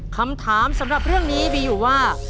คำถามสำหรับเรื่องนี้มีอยู่ว่า